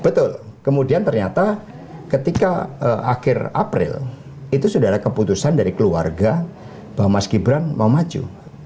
betul kemudian ternyata ketika akhir april itu sudah ada keputusan dari keluarga bahwa mas gibran mau maju